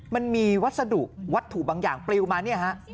มันมีวัสดุวัตถุบางอย่างปลิวมาเนี่ยฮะ